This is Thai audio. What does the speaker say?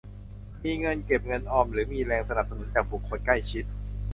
มีเงินเก็บเงินออมหรือมีแรงสนับสนุนจากบุคคลใกล้ชิด